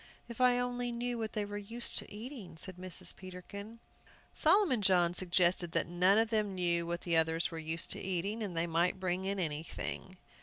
"If I only knew what they were used to eating," said Mrs. Peterkin. Solomon John suggested that none of them knew what the others were used to eating, and they might bring in anything.